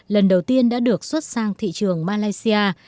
lần đầu tiên đã được xuất sang thị trường malaysia